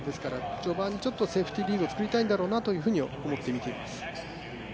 序盤セーフティーリードを作りたいんだろうなと思って見ています。